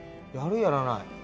「やるやらない」